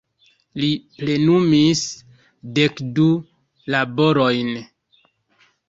Li plenumis dekdu laborojn.